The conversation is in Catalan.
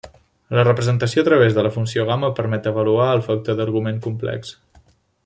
La representació a través de la funció gamma permet avaluar el factor d'argument complex.